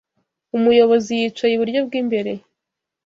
Umuyobozi yicaye iburyo bwimbere.